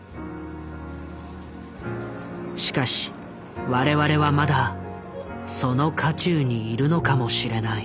しかし我々はまだその渦中にいるのかもしれない。